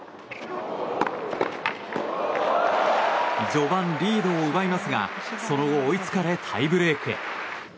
序盤、リードを奪いますがその後、追いつかれタイブレークへ。